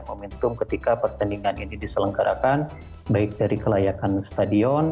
momentum ketika pertandingan ini diselenggarakan baik dari kelayakan stadion